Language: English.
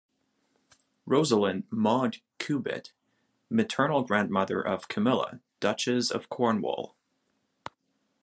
Rosalind Maud Cubitt, maternal grandmother of Camilla, Duchess of Cornwall.